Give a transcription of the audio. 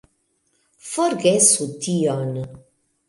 Forgesu tion!